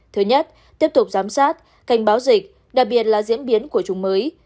thứ nhất tiếp tục giám sát cảnh báo dịch đặc biệt là diễn biến của chủng mới